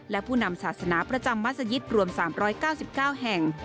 และผู้นำศาสนาประจำมัศยิตรวม๓๙๙แห่ง